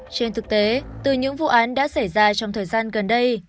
trên thực tế từ những vụ án đã xảy ra trong thời gian gần đây